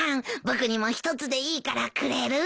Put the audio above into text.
僕にも一つでいいからくれる？